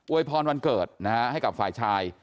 วยพรวันเกิดนะฮะให้กับฝ่ายชาย